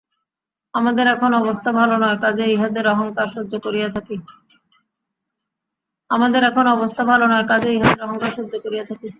আমাদের এখন অবস্থা ভালো নয়, কাজেই ইহাদের অহংকার সহ্য করিয়া থাকি।